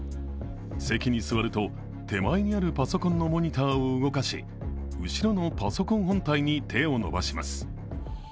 席に座ると、手前にあるパソコンのモニターを動かし、後ろのパソコン本体に手を伸ばします。